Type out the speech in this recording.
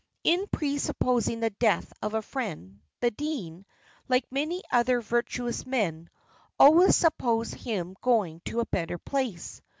In presupposing the death of a friend, the dean, like many other virtuous men, "always supposed him going to a better place."